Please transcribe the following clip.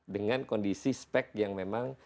dengan kondisi spek yang memang